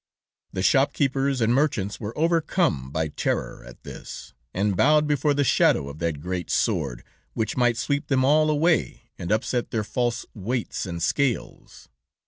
"The shop keepers and merchants were overcome by terror at this, and bowed before the shadow of that great sword, which might sweep them all away and upset their false weights and scales.